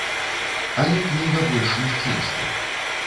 Але кніга больш мужчынская.